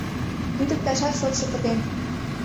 Лӱдыкташат шотшо пытен.